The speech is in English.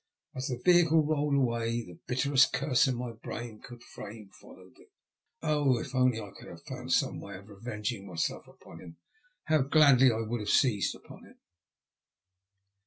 As the vehicle rolled away the bitterest curse my brain could frame followed it. Oh, if only I could have found some way of revenging myself upon him, how gladly I would have seized upon it.